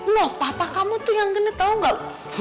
nuh papa kamu tuh yang genit tau nggak